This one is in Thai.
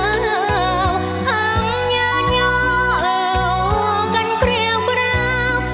ทำเงินยอเอ่อกันเปรี้ยวพราว